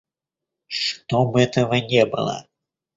Чтоб этого не было.